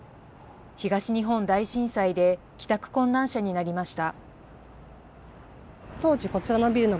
東日本大震災で、帰宅困難者になりました。